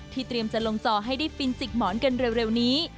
เตรียมจะลงจอให้ได้ฟินจิกหมอนกันเร็วนี้